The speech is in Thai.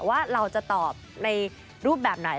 ว่าเราจะตอบในรูปแบบไหน